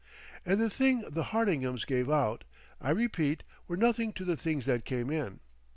And the things the Hardingham gave out, I repeat, were nothing to the things that came in.